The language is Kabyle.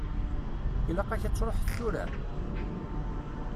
Ilaq-ak ad truḥeḍ tura?